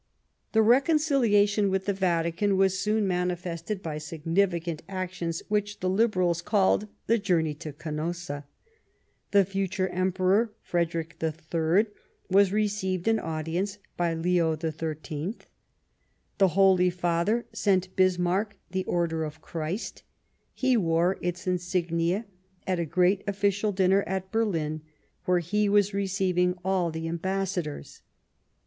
The reconciliation with the Vatican was soon manifested by significant actions, which the Liberals called the journey to Canossa, The future Emperor Frederick III was received in audience by Leo XIII. The Holy Father sent Bismarck the Order of Christ ; he wore its insignia at a great official dinner at Berlin where he was receiving all the Ambassadors.